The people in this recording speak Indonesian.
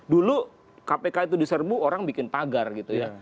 dulu kpk itu diserbu orang bikin pagar gitu ya